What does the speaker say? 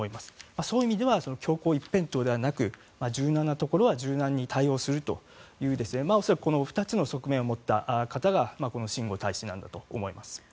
そういう意味では強硬一辺倒ではなく柔軟なところは柔軟に対応するという恐らく２つの側面を持った方がシン・ゴウ大使なんだと思います。